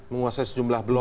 menguasai sejumlah blok